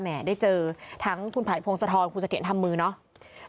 แหมได้เจอทั้งคุณภัยโพงสะทอนคุณสะเทียนทำมือเนาะ